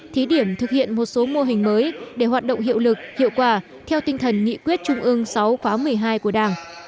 thí điểm thực hiện một số mô hình mới để hoạt động hiệu lực hiệu quả theo tinh thần nghị quyết trung ương sáu khóa một mươi hai của đảng